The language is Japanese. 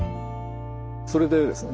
それでですね